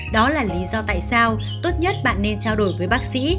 đó là lý do tại sao tốt nhất bạn nên trao đổi với bác sĩ